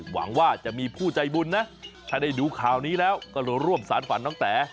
หวังว่าจะมีผู้ใจบุญนะถ้าได้ดูข่าวนี้แล้วก็ร่วมสารฝันน้องแต๋